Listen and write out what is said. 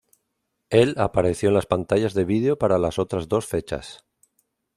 Él apareció en las pantallas de vídeo para las otras dos fechas.